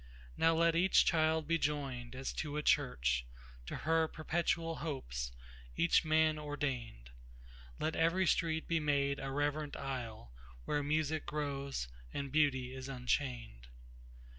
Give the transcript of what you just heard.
Now let each child be joined as to a churchTo her perpetual hopes, each man ordained; Let every street be made a reverent aisleWhere music grows, and beauty is unchained.